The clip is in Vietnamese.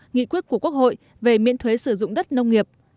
nghị quyết của quốc hội về miễn thuế sử dụng đất nông nghiệp